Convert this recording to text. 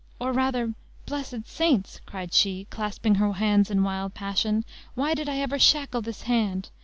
or rather, blessed saints!" cried she, clasping her hands in wild passion, "why did I ever shackle this hand?